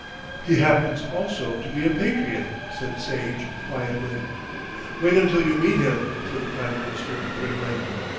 "He happens also to be a patriot," said Sage quietly. "Wait until you meet him," said the Prime Minister grimly.